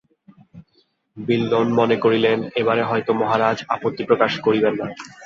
বিল্বন মনে করিলেন, এবারে হয়তো মহারাজা আপত্তি প্রকাশ করিবেন না।